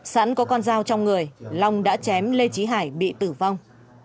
sẵn có con dao trong người long đã chém lê trí hải bị tử vong